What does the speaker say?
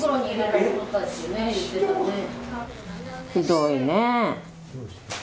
ひどいね。